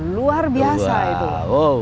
luar biasa itu